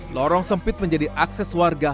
lorong sempit menjadi akses warga